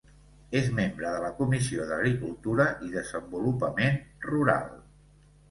És membre de la Comissió d'Agricultura i Desenvolupament Rural.